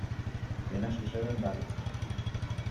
Tiene su sede en Dallas.